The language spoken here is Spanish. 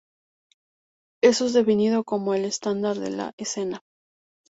Eso es definido como el "Estándar de la Escena".